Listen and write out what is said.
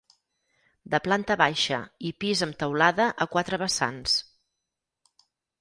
De planta baixa i pis amb teulada a quatre vessants.